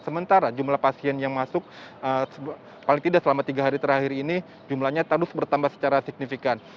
sementara jumlah pasien yang masuk paling tidak selama tiga hari terakhir ini jumlahnya terus bertambah secara signifikan